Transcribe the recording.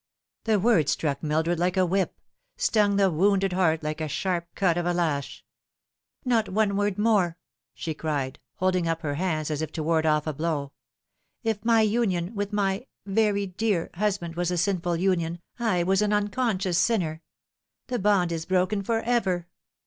The word struck Mildred like a whip stung the wounded heart like the sharp cut of a lash. " Not one word more," she cried, holding up her hands as if to ward off a blow. " If my union with my very dear husband was a sinful union, I was an unconscious sinner. The bond is broken for ever.